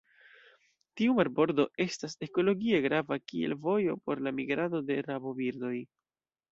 Tiu marbordo estas ekologie grava kiel vojo por la migrado de rabobirdoj.